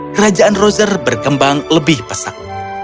kerajaan rozer berkembang lebih pesat